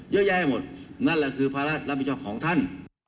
เยอะแยะหมดนั่นแหละคือภาระรับผิดชอบของท่าน